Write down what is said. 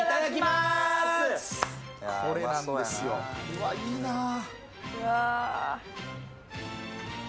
うわっいいなぁ。